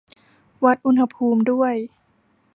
วัดอุณหภูมิด้วย